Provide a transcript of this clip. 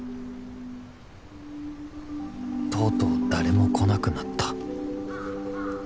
［とうとう誰も来なくなった］